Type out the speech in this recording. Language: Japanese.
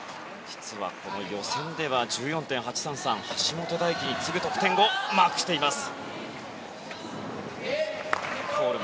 実は予選では１４．８３３と橋本大輝に次ぐ得点をマークしています。